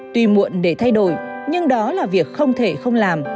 tuy muộn để thay đổi nhưng đó là việc không thể không làm